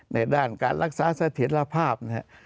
ในด้านการรักษาเสถียรภาพนะครับ